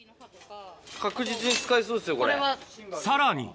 確実に使えそうっすよ、さらに。